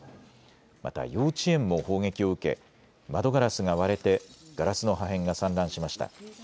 また幼稚園も砲撃を受け窓ガラスが割れてガラスの破片が散乱しました。